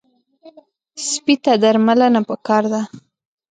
سپي ته درملنه پکار ده.